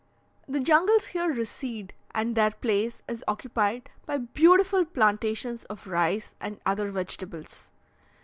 The jungles here recede, and their place is occupied by beautiful plantations of rice, and other vegetables.